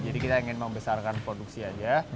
jadi kita ingin membesarkan pola